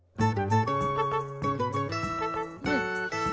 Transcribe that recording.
うん！